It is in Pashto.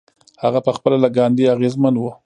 هغه پخپله له ګاندي اغېزمن و.